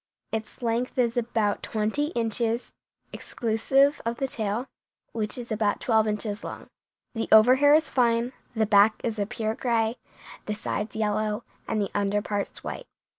Its length is about twenty inches, exclusive of the tail, which is about twelve inches long. The overhair is fine, the back is a pure gray, the sides yellow, and the under parts white.